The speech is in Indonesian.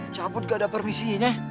caput gak ada permisi nya